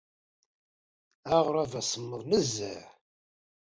Aɣrab-a semmeḍ nezzeh.